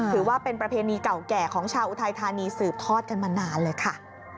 ถือว่าเป็นประเพณีเก่าแก่ของชาวอุทัยธานีสืบทอดกันมานานเลยค่ะ